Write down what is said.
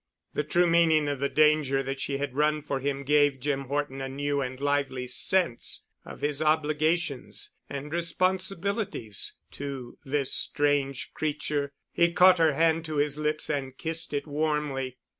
The true meaning of the danger that she had run for him gave Jim Horton a new and lively sense of his obligations and responsibilities to this strange creature. He caught her hand to his lips and kissed it warmly.